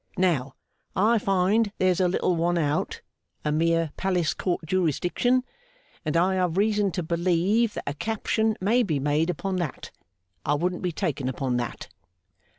Now, I find there's a little one out a mere Palace Court jurisdiction and I have reason to believe that a caption may be made upon that. I wouldn't be taken upon that.